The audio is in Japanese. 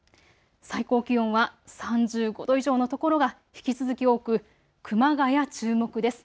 最高気温は３５度以上の所が引き続き多く、熊谷、注目です。